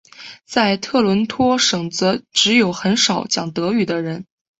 在特伦托省则只有很少讲德语的人。